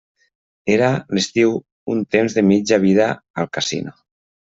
Era, l'estiu, un temps de mitja vida al casino.